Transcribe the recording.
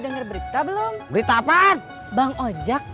kena kontrolnya nggak